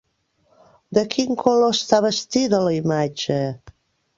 De quin color està vestida la imatge?